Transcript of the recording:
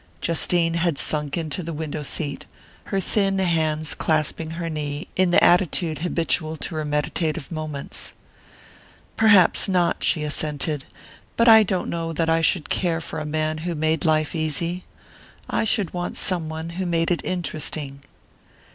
Justine had sunk into the window seat, her thin hands clasping her knee, in the attitude habitual to her meditative moments. "Perhaps not," she assented; "but I don't know that I should care for a man who made life easy; I should want some one who made it interesting."